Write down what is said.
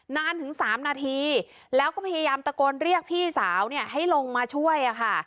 นานถึง๓นาทีแล้วก็พยายามตะโกนเรียกพี่สาวให้ลงมาช่วยค่ะ